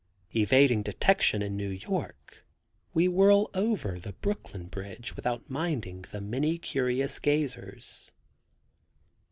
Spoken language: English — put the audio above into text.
Evading detention in New York, we whirl over the Brooklyn Bridge without minding the many curious gazers.